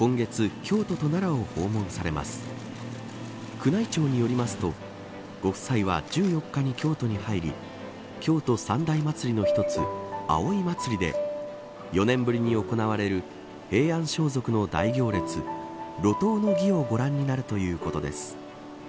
宮内庁によりますとご夫妻は１４日に京都に入り京都三大祭りの一つ、葵祭で４年ぶりに行われる平安装束の大行列路頭の儀をご覧になるということです。